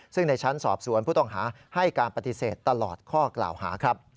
ซึ่งในชั้นสอบสวนผู้ต้องหาให้การปฏิเสธตลอดข้อกล่าวหาครับ